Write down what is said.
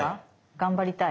頑張りたい？